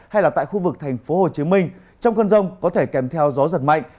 hay tại khu vực thành phố hồ chí minh trong cơn rông có thể kèm theo gió giật mạnh